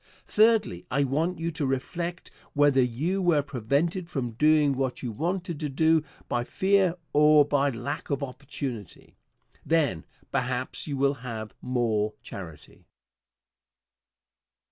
Thirdly, I want you to reflect whether you were prevented from doing what you wanted to do by fear or by lack of opportunity. Then perhaps you will have more charity.